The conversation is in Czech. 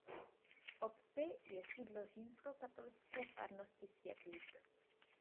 V obci je sídlo Římskokatolické farnosti Světlík.